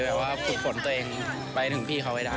ว่าฝึกฝนตัวเองไปถึงพี่เขาให้ได้